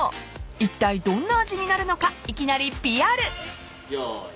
［いったいどんな味になるのかいきなりＰＲ］用意。